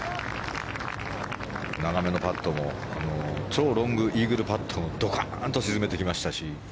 長めのパットも超ロングイーグルパットもドカンと沈めてきましたし。